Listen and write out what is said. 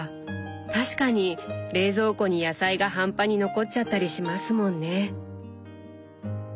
確かに冷蔵庫に野菜が半端に残っちゃったりしますもんね。